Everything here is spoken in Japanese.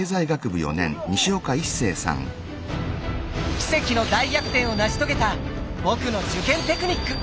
奇跡の大逆転を成し遂げた僕の受験テクニック。